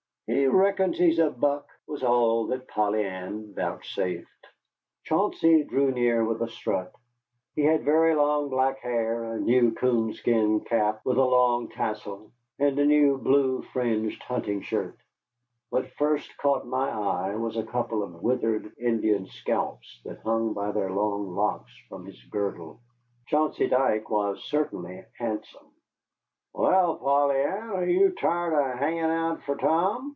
"He reckons he's a buck," was all that Polly Ann vouchsafed. Chauncey drew near with a strut. He had very long black hair, a new coonskin cap with a long tassel, and a new blue fringed hunting shirt. What first caught my eye was a couple of withered Indian scalps that hung by their long locks from his girdle. Chauncey Dike was certainly handsome. "Wal, Polly Ann, are ye tired of hanging out fer Tom?"